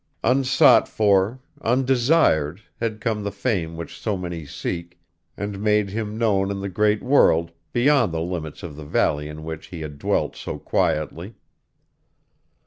Unsought for, undesired, had come the fame which so many seek, and made him known in the great world, beyond the limits of the valley in which he had dwelt so quietly.